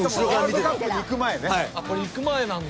これ行く前なんだ？